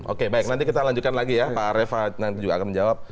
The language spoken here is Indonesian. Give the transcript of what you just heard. oke baik nanti kita lanjutkan lagi ya pak reva nanti juga akan menjawab